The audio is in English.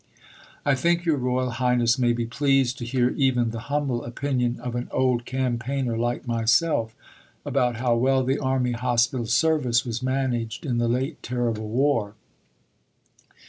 I think your Royal Highness may be pleased to hear even the humble opinion of an old campaigner like myself about how well the Army Hospital Service was managed in the late terrible war.